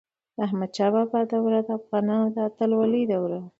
د احمد شاه بابا دور د افغانانو د اتلولی دوره وه.